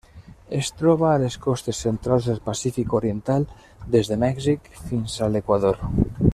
Es troba a les costes centrals del Pacífic oriental: des de Mèxic fins a l'Equador.